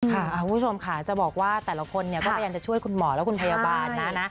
คุณผู้ชมค่ะจะบอกว่าแต่ละคนเนี่ยก็พยายามจะช่วยคุณหมอและคุณพยาบาลนะนะ